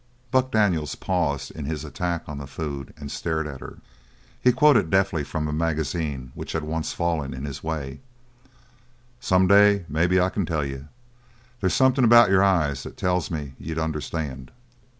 Buck Daniels paused in his attack on the food and stared at her. He quoted deftly from a magazine which had once fallen in his way: "Some day maybe I can tell you. There's something about your eyes that tells me you'd understand."